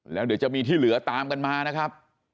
แล้วเดี๋ยวจะมีที่เหลือตามกันมานะครับ